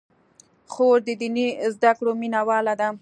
خور د دیني زدکړو مینه واله ده.